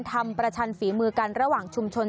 ประชันฝีมือกันระหว่างชุมชน